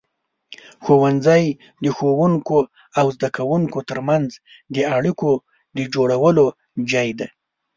ښوونځی د ښوونکو او زده کوونکو ترمنځ د اړیکو د جوړولو ځای دی.